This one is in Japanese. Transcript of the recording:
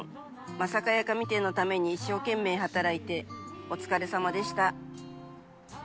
間坂屋紙店のために一生懸命働いて、お疲れさまでした。